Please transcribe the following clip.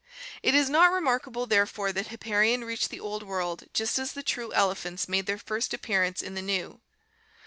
It is not remarkable therefore that Hipparion reached the Old World just as the true elephants made their first appearance in the New.